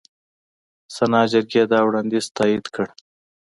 سنا جرګې دا وړاندیز تایید کړ.